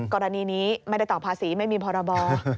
กรณีนี้ไม่ได้ต่อภาษีไม่มีพรบ